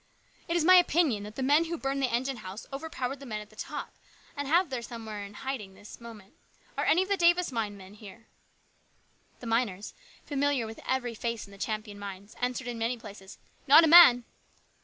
" It is my opinion that the men who burned the engine house overpowered the men at the top, and have them somewhere in hiding at this moment. Are any of the Davis mine men here ?" The miners, familiar with every face in the Champion mines, answered in many places :" Not a man."